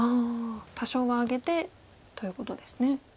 多少はあげてということですね。